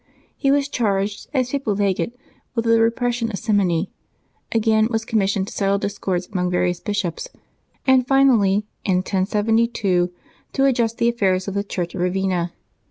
He was charged, as Papal Legate, with the repression of simony; again, was commissioned to settle discords amongst various bishops, and finally, in 1072, to adjust the affairs of the Church at Ravenna.